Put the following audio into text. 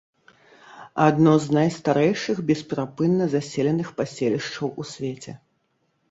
Адно з найстарэйшых бесперапынна заселеных паселішчаў у свеце.